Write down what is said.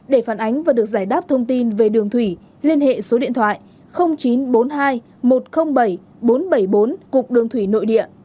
để phản ánh và được giải đáp thông tin về đường thủy liên hệ số điện thoại chín trăm bốn mươi hai một trăm linh bảy bốn trăm bảy mươi bốn cục đường thủy nội địa